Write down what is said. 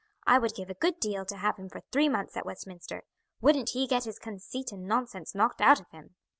"I would give a good deal to have him for three months at Westminster. Wouldn't he get his conceit and nonsense knocked out of him!"